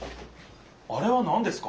あれはなんですか？